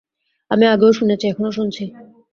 আমি আগেও শুনেছি, এখনো শুনছি।